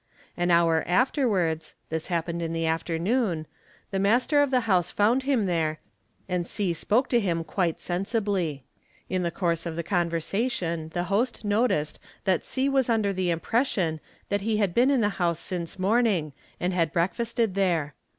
An 'hour afterwards,—this happened in the afternoon—the master of the ii ouse found him there and C spoke to him quite sensibly. In the course of conversation the host noticed that C was under the impression that 'he had been in the house since morning and had breakfasted there.